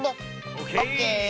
オッケー！